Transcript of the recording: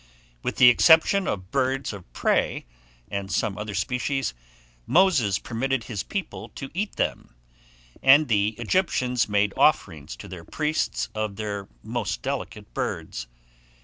With the exception of birds of prey, and some other species, Moses permitted his people to eat them; and the Egyptians made offerings to their priests of their most delicate birds.